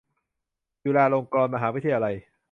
จุฬาลงกรณ์มหาวิทยาลัย